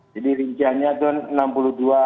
jadi rinciannya tuh